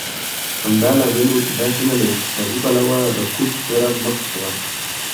همدا لامل و چې دا سیمه له اقتصادي پلوه رکود سره مخ شوه.